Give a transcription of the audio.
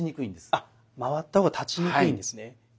あ回った方が立ちにくいんですね。